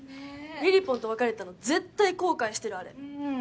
りりぽんと別れたの絶対後悔してるあれ。